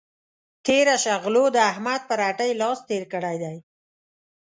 تېره شه غلو د احمد پر هټۍ لاس تېر کړی دی.